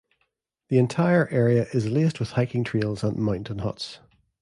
The entire area is laced with hiking trails and mountain huts.